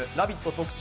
特注。